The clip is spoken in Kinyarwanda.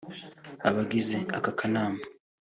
Abagize aka kanama